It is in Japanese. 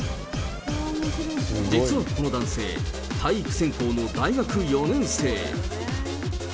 実はこの男性、体育専攻の大学４年生。